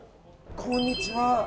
こんにちは。